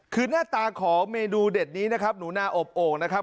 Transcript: คือหน้าตาของเมนูเด็ดนี้นะครับหนูนาอบโอ่งนะครับ